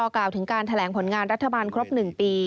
กล่าวถึงการแถลงผลงานรัฐบาลครบ๑ปี